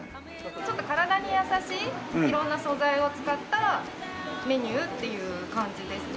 ちょっと体に優しい色んな素材を使ったメニューっていう感じですね。